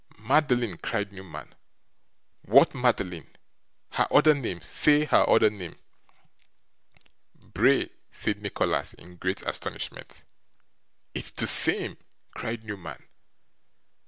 'Madeline!' cried Newman. 'What Madeline? Her other name. Say her other name.' 'Bray,' said Nicholas, in great astonishment. 'It's the same!' cried Newman.